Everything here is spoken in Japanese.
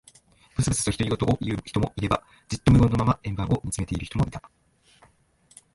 ぶつぶつと独り言を言う人もいれば、じっと無言のまま円盤を見つめている人もいた。